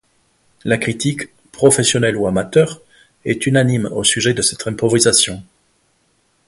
La critique, professionnelle ou amateur, est unanime au sujet de cette improvisation.